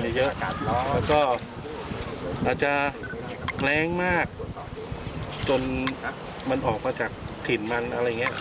มีเยอะแล้วก็อาจจะแรงมากจนมันออกมาจากถิ่นมันอะไรอย่างเงี้ย